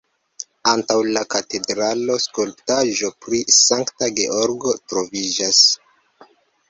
Antaŭ la katedralo skulptaĵo pri Sankta Georgo troviĝas.